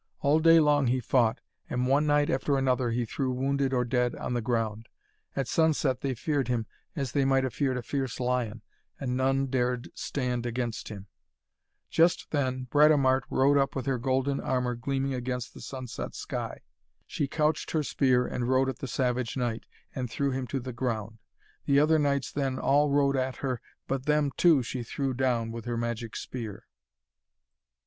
All day long he fought, and one knight after another he threw wounded or dead on the ground. At sunset they feared him as they might have feared a fierce lion, and none dared stand against him. Just then Britomart rode up with her golden armour gleaming against the sunset sky. She couched her spear and rode at the Savage Knight, and threw him to the ground. The other knights then all rode at her, but them, too, she threw down with her magic spear.